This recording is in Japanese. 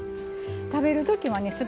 食べるときはね